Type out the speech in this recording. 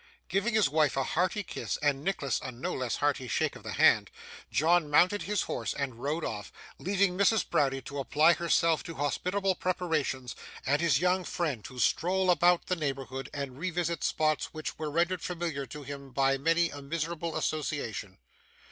Giving his wife a hearty kiss, and Nicholas a no less hearty shake of the hand, John mounted his horse and rode off: leaving Mrs. Browdie to apply herself to hospitable preparations, and his young friend to stroll about the neighbourhood, and revisit spots which were rendered familiar to him by many a miserable association.